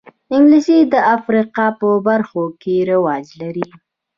انګلیسي د افریقا په برخو کې رواج لري